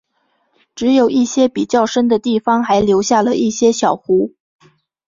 只有一些比较深的地方还留下了一些小湖。